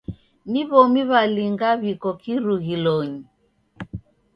Ni w'omi w'alinga w'iko kirughilonyi?